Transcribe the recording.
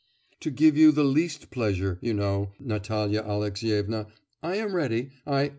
'To give you the least pleasure, you know, Natalya Alexyevna, I am ready... I...